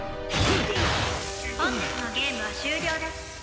「本日のゲームは終了です」